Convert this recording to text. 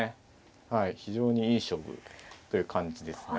はい非常にいい勝負という感じですね。